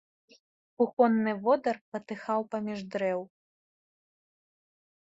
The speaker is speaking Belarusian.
Кухонны водар патыхаў паміж дрэў.